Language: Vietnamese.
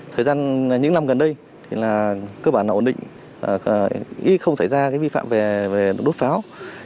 thời gian những năm gần đây cơ bản là ổn định ít không xảy ra vi phạm về nổ đốt pháo